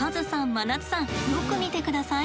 真夏さんよく見て下さい。